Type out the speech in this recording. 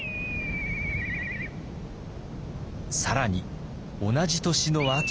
更に同じ年の秋。